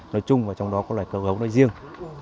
nói chung trong đó có loài cầu gấu nói riêng